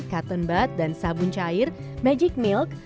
cotton but dan sabun cair magic milk